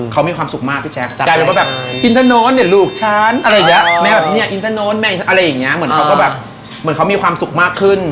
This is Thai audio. เขามีความสุขมากขึ้นเขามีคนลักษณ์ในที่ลูกเขาเป็นมากขึ้น